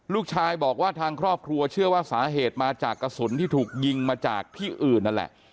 ลูกชายบอกว่าทางครอบครัวเชื่อว่าสาเหตุมาจากกระสุนที่ถูกยิงมาจากที่อื่นนั่นแหละ